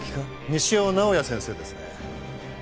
西尾直哉先生ですね？